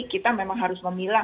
kita memang harus memilah